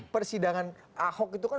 persidangan ahok itu kan